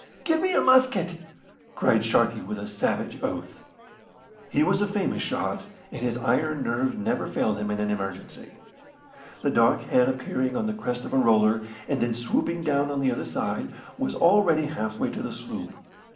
"Give me a musket!" cried Sharkey, with a savage oath. He was a famous shot, and his iron nerves never failed him in an emergency. The dark head appearing on the crest of a roller, and then swooping down on the other side, was already half way to the sloop.